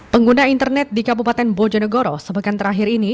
pengguna internet di kabupaten bojonegoro sepekan terakhir ini